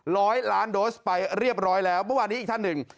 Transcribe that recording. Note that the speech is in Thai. ร้อยล้านโดสไปเรียบร้อยแล้วเมื่อวานนี้อีกท่านหนึ่ง